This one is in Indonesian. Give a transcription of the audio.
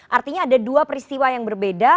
artinya ada dua peristiwa yang berbeda